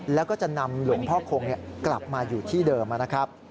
แล้วก็จะนำหลวงพ่อคงกลับมาอยู่ที่เดิมนะครับ